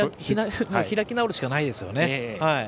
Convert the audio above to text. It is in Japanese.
開き直るしかないですね。